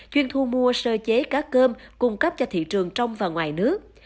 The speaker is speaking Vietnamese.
chuyên thu mua sơ chế cá cơm cung cấp cho thị trường trong và ngoài nước